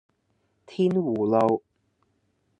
天湖路